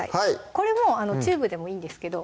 これもうチューブでもいいんですけど